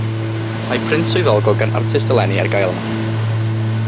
Mae print swyddogol gan artist eleni ar gael yma